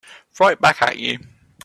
Right back at you.